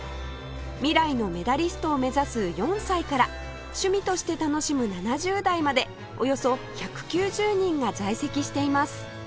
未来のメダリストを目指す４歳から趣味として楽しむ７０代までおよそ１９０人が在籍しています